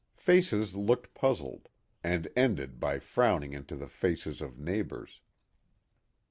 Faces looked puzzled, and ended by frowning into the faces of neighbors.